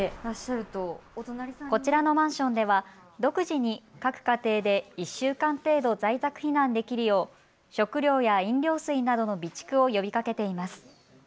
こちらのマンションでは独自に各家庭で１週間程度在宅避難できるよう食料や飲料水などの備蓄を呼びかけています。